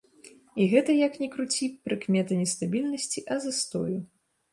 І гэта, як ні круці, прыкмета не стабільнасці, а застою.